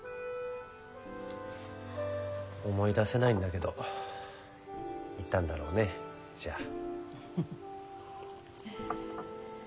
思い出せないんだけど言ったんだろうねじゃあ。